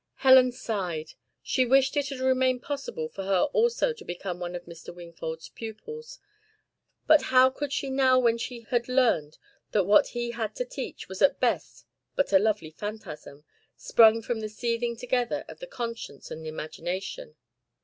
Helen sighed. She wished it had remained possible for her also to become one of Mr. Wingfold's pupils, but how could she now when she had learned that what he had to teach was at best but a lovely phantasm, sprung of the seething together of the conscience and imagination.